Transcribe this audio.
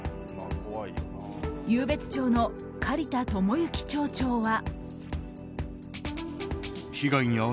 湧別町の刈田智之町長は。